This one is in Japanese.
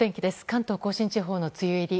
関東・甲信地方の梅雨入り